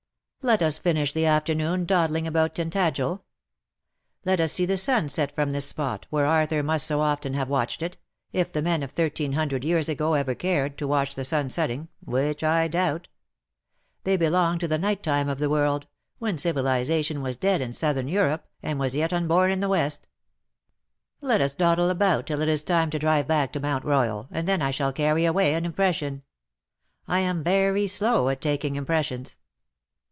Let us finish the afternoon dawdling about Tintagel. Let us see the sun set from this spot, where Arthur must so often have watched it, if the men of thirteerk ^^TINTAGEL, HALF IN SEA, AND HALF ON LAND." 85 hundred years ago ever cared to watch the sun setting, which I doubt. They belong to the night time of the world, when civilization was dead in Southern Europe, and was yet unborn in the West. Let us dawdle about till it is time to drive back to Mount Royal, and then I shall carry away an impression. I am very slow at taking impressions."